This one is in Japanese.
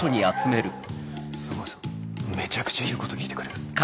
すごいぞめちゃくちゃ言うこと聞いてくれる。